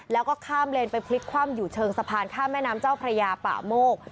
แล้วก็ข้ามเลนไปพลิกคว่ำอยู่เชิงสะพานข้ามแม่น้ำเจ้าพระยาป่าโมก